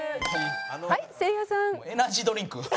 はいせいやさん。